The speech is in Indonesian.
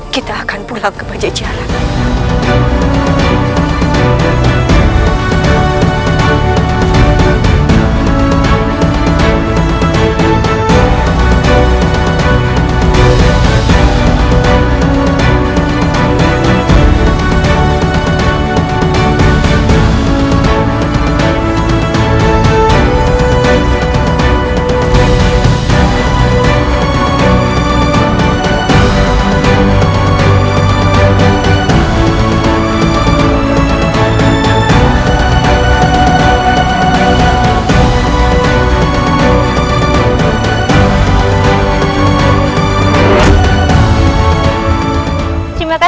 kita akan pulang ke pajajara